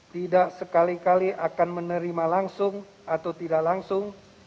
tidak sekali kali akan menerima langsung atau tidak langsung